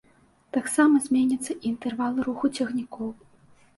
Таксама зменяцца і інтэрвалы руху цягнікоў.